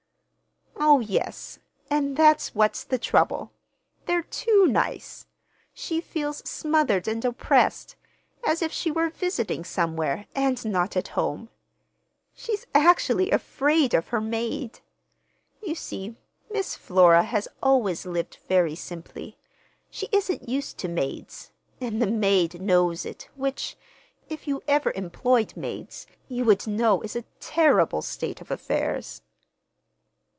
"Oh, yes—and that's what's the trouble. They're too nice. She feels smothered and oppressed—as if she were visiting somewhere, and not at home. She's actually afraid of her maid. You see, Miss Flora has always lived very simply. She isn't used to maids—and the maid knows it, which, if you ever employed maids, you would know is a terrible state of affairs."